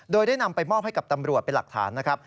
โดยได้นำไปมอบให้กับตำรวจเป็นหลักฐานนะครับ